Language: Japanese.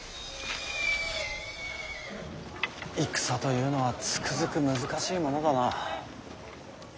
戦というのはつくづく難しいものだな。